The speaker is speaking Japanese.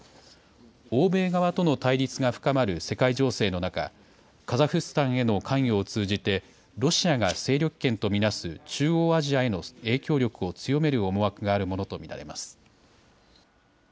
欧米側との対立が深まる世界情勢の中、カザフスタンへの関与を通じてロシアが勢力圏と見なす中央アジアへの影響力を強める思惑があると見られます。